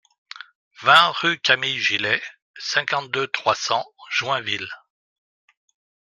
vingt rue Camille Gillet, cinquante-deux, trois cents, Joinville